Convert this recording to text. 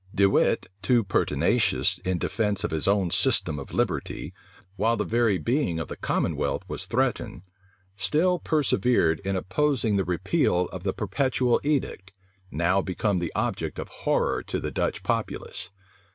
De Wit, too pertinacious in defence of his own system of liberty, while the very being of the commonwealth was threatened, still persevered in opposing the repeal of the perpetual edict, now become the object of horror to the Dutch populace.